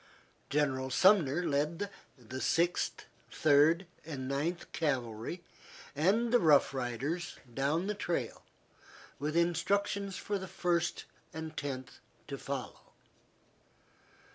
General Sumner led the Sixth, Third, and Ninth Cavalry and the Rough Riders down the trail, with instructions for the First and Tenth to follow.